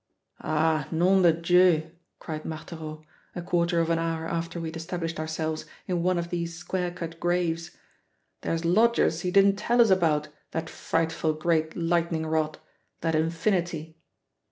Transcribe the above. "Ah, nom de Dieu!" cried Marthereau a quarter of an hour after we had established ourselves in one of these square cut graves, "there's lodgers he didn't tell us about, that frightful great lightning rod, that infinity!"